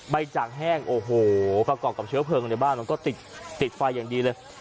จ่างแห้งโอ้โหประกอบกับเชื้อเพลิงในบ้านมันก็ติดไฟอย่างดีเลย